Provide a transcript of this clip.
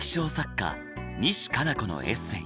家西加奈子のエッセイ